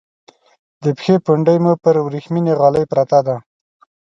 د پښې پونډۍ مو پر ورېښمینې غالی پرته ده.